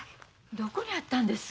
どこにあったんです？